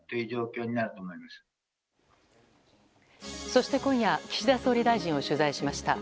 そして、今夜岸田総理大臣を取材しました。